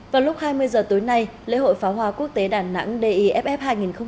vào lúc hai mươi h tối nay lễ hội phá hoa quốc tế đà nẵng deff hai nghìn một mươi chín